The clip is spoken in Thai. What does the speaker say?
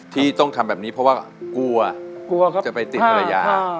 ที่ต้องทำแบบนี้เพราะว่ากลัวกลัวครับจะไปติดภรรยา